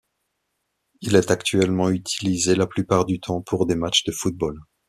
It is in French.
Il est actuellement utilisé la plupart du temps pour des matches de football.